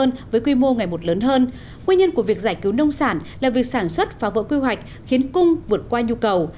nguyên nhân của việc giải cứu nông sản là việc sản xuất phá vỡ quy hoạch khiến cung vượt qua nhu cầu